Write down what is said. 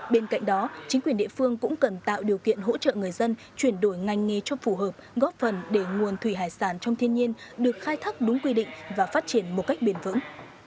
bên cạnh đó chính quyền địa phương cũng cần tạo điều kiện hỗ trợ người dân chuyển đổi ngành nghề cho phù hợp góp phần để nguồn thủy hải sản trong thiên nhiên được khai thác đúng quy định và phát triển một cách bền vững